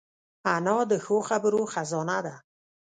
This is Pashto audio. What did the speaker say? انا د ښو خبرو خزانه ده